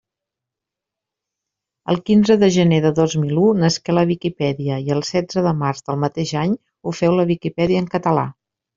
El quinze de gener de dos mil u nasqué la Viquipèdia i el setze de març del mateix any ho féu la Viquipèdia en català.